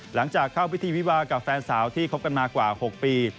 หลังจากเข้าพิธีวิวากับแฟนสาวที่คบกันมากว่า๖ปี